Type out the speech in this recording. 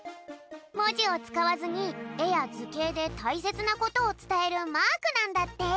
もじをつかわずにえやずけいでたいせつなことをつたえるマークなんだって。